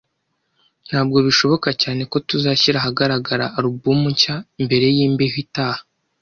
Ntabwo bishoboka cyane ko tuzashyira ahagaragara alubumu nshya mbere yimbeho itaha.